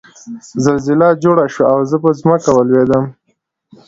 زلزله جوړه شوه او زه په ځمکه ولوېدم